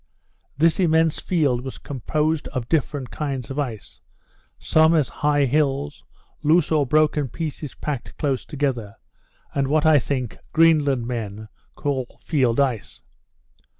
This immense field was composed of different kinds of ice; such as high hills, loose or broken pieces packed close together, and what, I think, Greenlandmen call field ice.